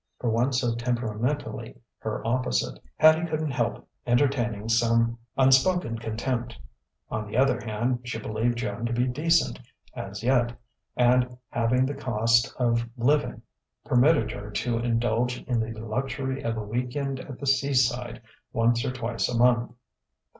For one so temperamentally her opposite, Hattie couldn't help entertaining some unspoken contempt. On the other hand, she believed Joan to be decent, as yet; and halving the cost of living permitted her to indulge in the luxury of a week end at the seaside once or twice a month.